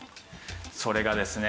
それがですね。